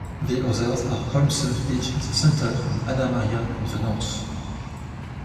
The others are Holmes Beach in the center and Anna Maria in the north.